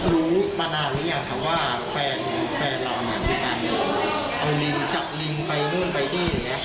รู้มานานหรือยังค่ะว่าแฟนหรือแฟนราวนานเอาลิงจับลิงไปนู่นไปที่นี่นะ